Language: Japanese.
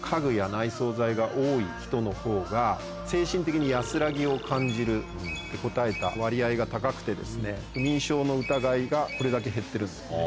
のほうが「精神的に安らぎを感じる」って答えた割合が高くて不眠症の疑いがこれだけ減ってるんですね。